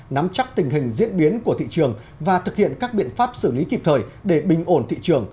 nắm chắc tình hình diễn biến của thị trường và thực hiện các biện pháp xử lý kịp thời để bình ổn thị trường